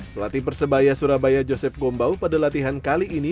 pelatih persebaya surabaya joseph gombau pada latihan kali ini